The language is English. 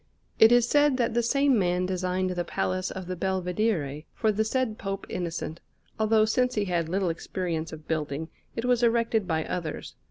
It is said that the same man designed the Palace of the Belvedere for the said Pope Innocent, although, since he had little experience of building, it was erected by others.